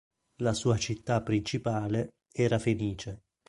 La sua città principale era Fenice.